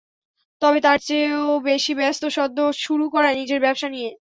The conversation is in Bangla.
তবে তার চেয়েও বেশি ব্যস্ত সদ্য শুরু করা নিজের ব্যবসা নিয়ে।